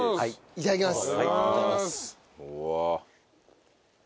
いただきます。